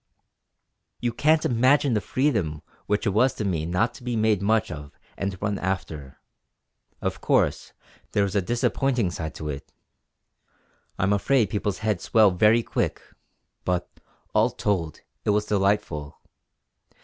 "You can't imagine the freedom which it was to me not to be made much of and run after. Of course there was a disappointing side to it; I'm afraid people's heads swell very quick! But, all told, it was delightful.